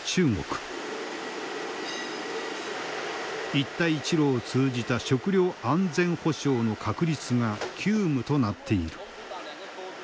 一帯一路を通じた食糧安全保障の確立が急務となっている。